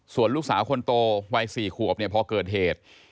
ส่วนลูกสาวคนโตวัย๔ขวบเนี่ยพอเกิดเหตุ